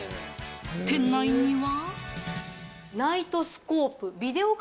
店内には。